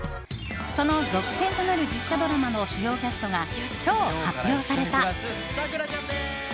その続編となる実写ドラマの主要キャストが今日発表された。